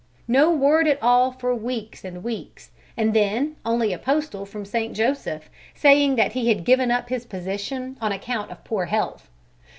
No word at all for weeks and weeks, and then only a postal from St. Joseph, saying that he had given up his position on account of poor health.